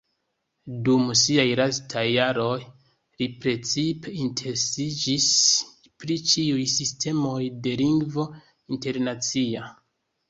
Dum siaj lastaj jaroj li precipe interesiĝis pri ĉiuj sistemoj de Lingvo Internacia.